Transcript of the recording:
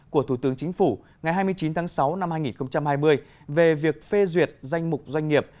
của thủ tướng chính phủ ngày hai mươi chín tháng sáu năm hai nghìn hai mươi về việc phê duyệt danh mục doanh nghiệp